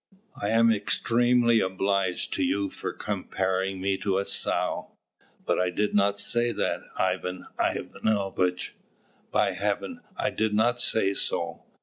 "I am extremely obliged to you for comparing me to a sow." "But I did not say that, Ivan Ivanovitch! By Heaven! I did not say so!